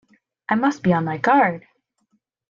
I must be on my guard!